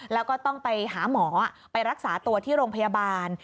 แล้วก็ต้องไปหาหมอไปรักษาตัวที่โรงพยาบาล